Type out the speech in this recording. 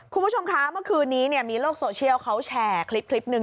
คุณผู้ชมคะเมื่อคืนนี้มีโลกโซเชียลเขาแชร์คลิปหนึ่ง